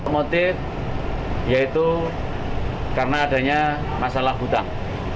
motif yaitu karena adanya masalah hutang